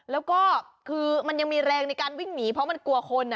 แล้วก็คือมันยังมีแรงในการวิ่งหนีเพราะมันกลัวคน